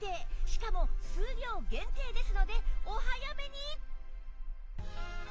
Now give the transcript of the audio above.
しかも数量限定ですのでお早めに！